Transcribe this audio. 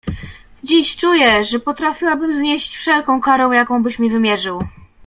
Dziś czuję, że potrafiłabym znieść wszelką karę, jaką byś mi wymierzył.